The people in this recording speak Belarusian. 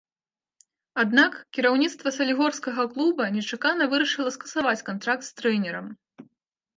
Аднак кіраўніцтва салігорскага клуба нечакана вырашыла скасаваць кантракт з трэнерам.